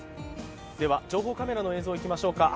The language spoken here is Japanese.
情報カメラの映像いきましょうか。